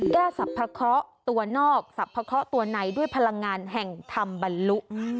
สรรพะเคราะห์ตัวนอกสรรพเคาะตัวในด้วยพลังงานแห่งธรรมบรรลุ